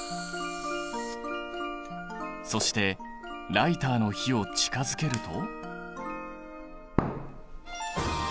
そしてライターの火を近づけると。